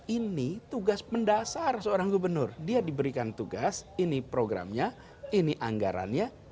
ini tugas mendasar seorang gubernur dia diberikan tugas ini programnya ini anggarannya